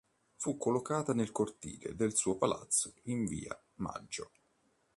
Fu collocata nel cortile del suo palazzo in via Maggio.